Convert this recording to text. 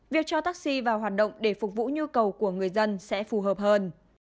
việc cho taxi vào hoạt động để phục vụ nhu cầu của người dân sẽ phù hợp hơn